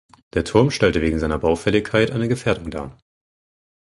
Der Turm stellte wegen seiner Baufälligkeit eine Gefährdung dar.